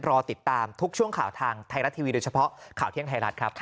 รอติดตามทุกช่วงข่าวทางไทยรัฐทีวีโดยเฉพาะข่าวเที่ยงไทยรัฐครับ